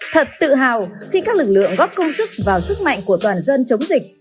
thật tự hào khi các lực lượng góp công sức vào sức mạnh của toàn dân chống dịch